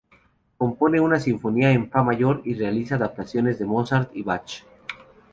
Compone una ""Sinfonía en Fa mayor"" y realiza adaptaciones de Mozart y Bach.